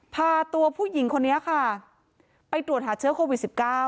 พาตัวผู้หญิงคนนี้ค่ะไปตรวจหาเชื้อโควิด๑๙